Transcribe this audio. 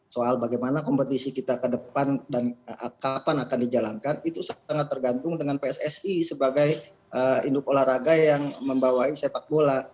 soal bagaimana kompetisi kita ke depan dan kapan akan dijalankan itu sangat tergantung dengan pssi sebagai induk olahraga yang membawai sepak bola